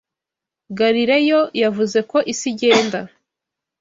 Galileo yavuze ko isi igenda.